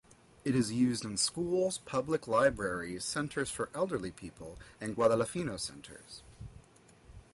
It is used in schools, public libraries, centers for elderly people and Guadalinfo centers.